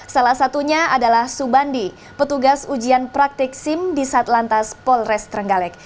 salah satunya adalah subandi petugas ujian praktik sim di satlantas polres trenggalek